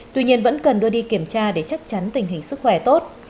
tuy nhiên vẫn cần đưa đi kiểm tra để chắc chắn tình hình sức khỏe tốt